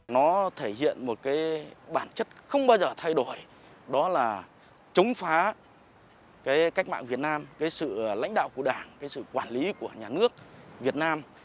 nó thể hiện một bản chất không bao giờ thay đổi đó là chống phá cách mạng việt nam sự lãnh đạo của đảng sự quản lý của nhà nước việt nam